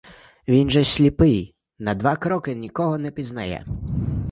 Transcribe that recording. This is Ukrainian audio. Він же сліпий, на два кроки нікого не пізнає.